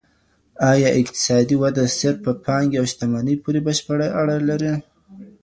ايا اقتصادي وده صرف په پانګي او شتمنۍ پوري بشپړه اړه لري؟